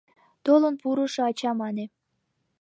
Толын пурышо ача мане: